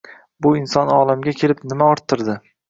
Bu inson olamga kelib, nima orttirdi?